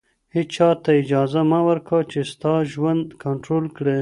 • هېچا ته اجازه مه ورکوه چې ستا ژوند کنټرول کړي.